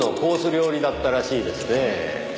料理だったらしいですねぇ。